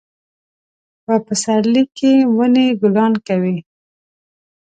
په پسرلي کې ونې ګلان کوي